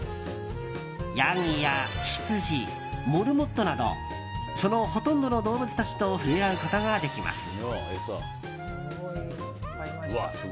ヤギやヒツジ、モルモットなどそのほとんどの動物たちと触れ合うことができます。